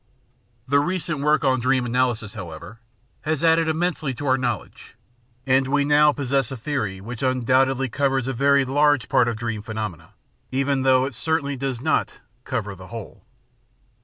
The recent work on dream analysis, however, has added im mensely to our knowledge, and we now possess a theory which 562 The Outline of Science undoubtedly covers a very large part of dream phenomena, even although it certainly does not cover the whole.